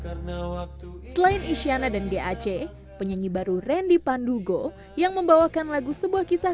karena waktu selain isyana dan gac penyanyi baru randy pandugo yang membawakan lagu sebuah kisah